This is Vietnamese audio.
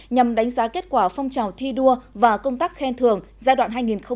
nhằm đánh giá kết quả phong trào thi đua và công tác khen thường giai đoạn hai nghìn một mươi năm hai nghìn hai mươi